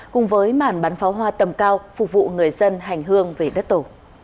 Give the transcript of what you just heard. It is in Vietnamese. cùng với màn bắn pháo hoa tầm cao phục vụ người dân hành hương về đất tổ